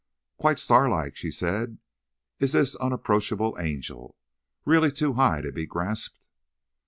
"Quite starlike," she said, "is this unapproachable angel. Really too high to be grasped."